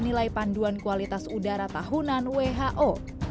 nilai panduan kualitas udara tahunan who